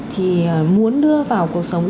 thì muốn đưa vào cuộc sống